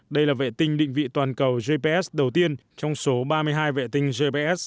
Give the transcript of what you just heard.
đây là vệ tinh định vị toàn cầu gps đầu tiên trong số ba mươi hai vệ tinh gps